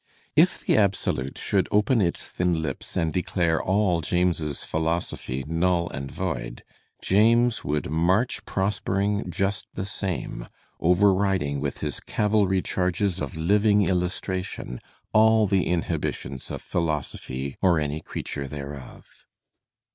If the Absolute should open its thin lips and declare all James's philosophy null and void, James would march prospering just the same, overriding with his cavalry charges of living illustration all the inhibitions of philosophy or any creatiu e thereof.